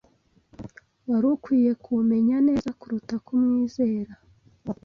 Wari ukwiye kumenya neza kuruta kumwizera.